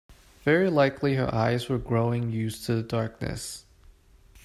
Very likely her eyes were growing used to the darkness.